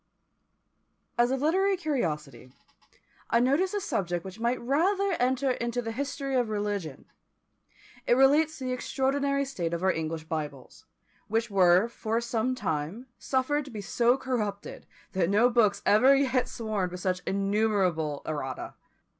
As a literary curiosity, I notice a subject which might rather enter into the history of religion. It relates to the extraordinary state of our English Bibles, which were for some time suffered to be so corrupted that no books ever yet swarmed with such innumerable errata!